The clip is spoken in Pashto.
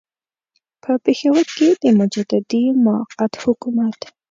په پېښور کې د مجددي موقت حکومت.